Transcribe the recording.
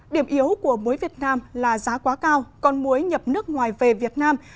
điểm yếu của muối việt nam là giá quá cao còn muối nhập nước ngoài về việt nam